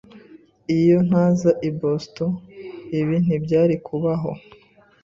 Iyo ntaza i Boston, ibi ntibyari kubaho.